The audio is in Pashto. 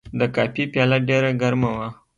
د کافي پیاله ډېر ګرمه وه.